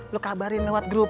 lo kabarin lewat grup